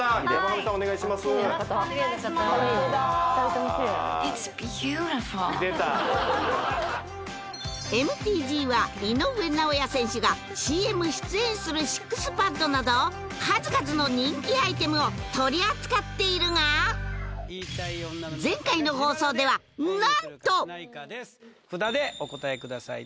二人ともキレイ出たＭＴＧは井上尚弥選手がＣＭ出演するＳＩＸＰＡＤなど数々の人気アイテムを取り扱っているが前回の放送では何と札でお答えください